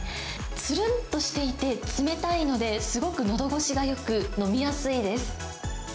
つるんとしていて冷たいので、すごくのど越しがよく、飲みやすいです。